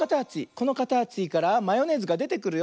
このかたちからマヨネーズがでてくるよ。